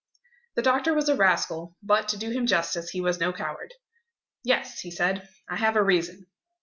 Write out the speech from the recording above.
The doctor was a rascal; but, to do him justice, he was no coward. "Yes," he said, "I have a reason."